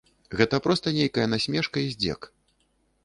Гэта проста нейкая насмешка і здзек.